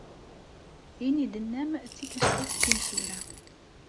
Ayen ay d-tennam d tikerkas timsura.